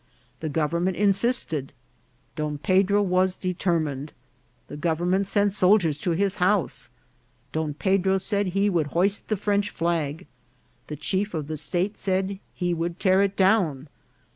The government insist ed; Don Pedro was determined. The government sent soldiers to his house. Don Pedro said he would VICE PRE SIDENT VIGIL. 51 hoist the French flag ; the chief of the state said he would tear it down.